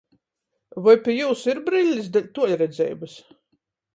Voi pi jiusu ir brillis deļ tuoļredzeibys?